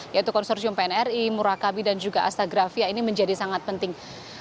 yaitu konsorsium pnri murakabi dan juga astagrafia ini menjadi sangat penting